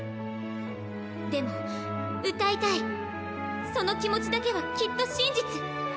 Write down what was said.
でも歌いたいその気持ちだけはきっと真実。